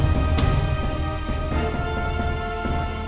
nih tuh cowoknya tuh